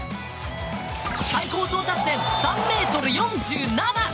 最高到達点３メートル４７。